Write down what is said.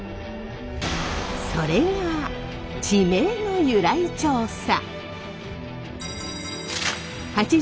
それが地名の由来調査！